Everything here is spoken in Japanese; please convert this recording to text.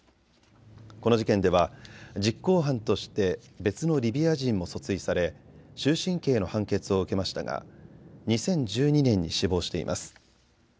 この事件では実行犯として別のリビア人も訴追され終身刑の判決を受けましたが２０１２年に死亡しています。